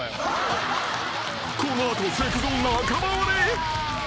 ［この後セクゾ仲間割れ！？］